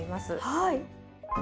はい！